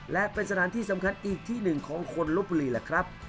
และเป็นสถานที่สำคัญอีกที่หนึ่งของคนลบบุรีแหละครับ